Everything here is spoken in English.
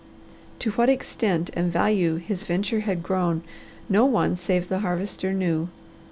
To what extent and value his venture had grown, no one save the Harvester knew.